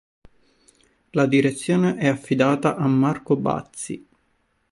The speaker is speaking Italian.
La direzione è affidata a Marco Bazzi.